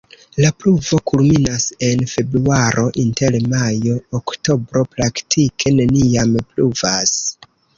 La pluvo kulminas en februaro, inter majo-oktobro praktike neniam pluvas.